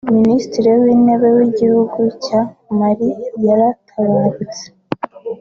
minisitiri w’intebe w’igihugu cya Mali yaratabarutse